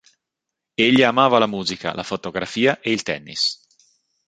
Egli amava la musica, la fotografia e il tennis.